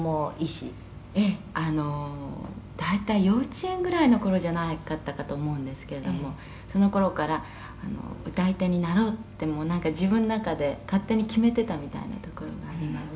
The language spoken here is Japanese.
あの大体幼稚園ぐらいの頃じゃなかったかと思うんですけれどもその頃から歌い手になろうってもうなんか自分の中で勝手に決めてたみたいなところがありますね」